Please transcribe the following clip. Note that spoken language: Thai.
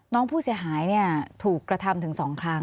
น้องผู้เสียหายถูกกระทำถึง๒ครั้ง